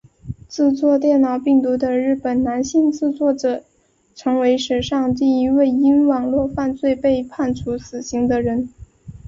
制作电脑病毒的日本男性制作者成为史上第一位因网路犯罪被判处死刑的人。